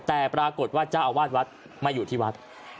แต่ปรากฏว่าเจ้าอาวาสวัดมาอยู่ที่วัด